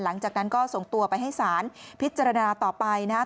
หลังจากนั้นก็ส่งตัวไปให้ศาลพิจารณาต่อไปนะครับ